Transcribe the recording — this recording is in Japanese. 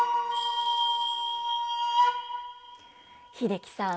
英樹さん